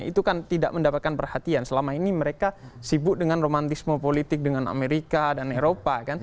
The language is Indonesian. itu kan tidak mendapatkan perhatian selama ini mereka sibuk dengan romantisme politik dengan amerika dan eropa